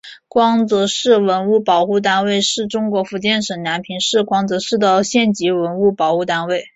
光泽县文物保护单位是中国福建省南平市光泽县的县级文物保护单位。